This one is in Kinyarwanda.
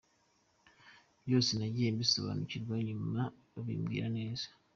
Byose nagiye mbisobanukirwa nyuma babimbwira neza.